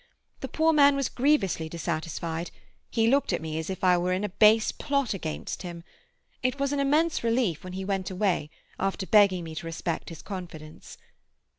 The poor man was grievously dissatisfied; he looked at me as if I were in a base plot against him. It was an immense relief when he went away, after begging me to respect his confidence.